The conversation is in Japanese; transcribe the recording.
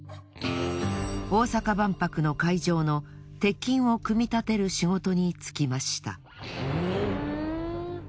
大阪万博の会場の鉄筋を組み立てる仕事に就きました。